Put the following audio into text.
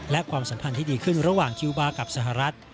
และความสัมพันธ์ที่ดีขึ้นระหว่างคิวบาร์กับสหรัฐ